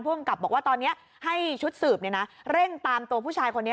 ภูมิกับบอกว่าตอนนี้ให้ชุดสืบเร่งตามตัวผู้ชายคนนี้